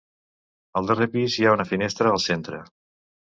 Al darrer pis hi ha una finestra al centre.